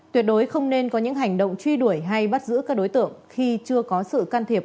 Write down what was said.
tuyệt đối không nên có những hành động truy đuổi hay bắt giữ các đối tượng khi chưa có sự can thiệp